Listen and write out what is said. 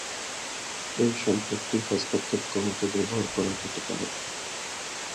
এই সম্পত্তি হস্তক্ষেপ কমাতে ব্যবহার করা যেতে পারে।